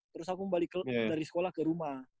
terus aku balik dari sekolah ke rumah